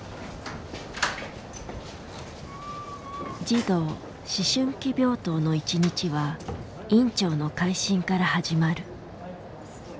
児童・思春期病棟の１日は院長の回診から始まる。